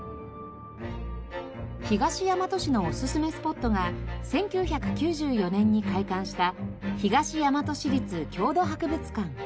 東大和市のおすすめスポットが１９９４年に開館した東大和市立郷土博物館。